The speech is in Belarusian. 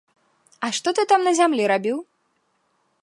А што ты там на зямлі рабіў?